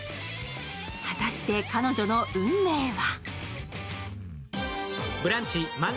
果たして彼女の運命は？